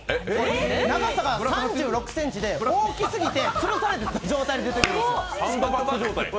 長さが３６ｃｍで、大きすぎて、つるされた状態で出てくるんですよ。